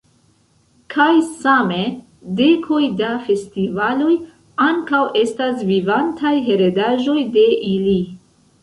Kaj same, dekoj da festivaloj ankaŭ estas vivantaj heredaĵoj de ili.